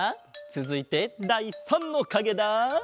つづいてだい３のかげだ。